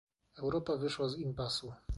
Europa wyszła z impasu